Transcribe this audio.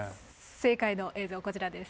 正解の映像こちらです。